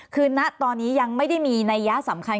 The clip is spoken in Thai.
คือณตอนนี้ยังไม่ได้มีนัยยะสำคัญ